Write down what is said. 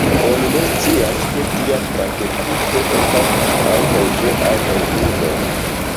Oni ne scias, ke tia praktiko okazas ankaŭ ĉe aliaj turdoj.